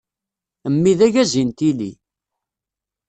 Mmi d ayazi n tili.